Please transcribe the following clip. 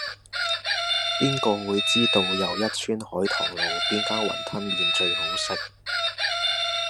邊個會知道又一村海棠路邊間雲吞麵最好食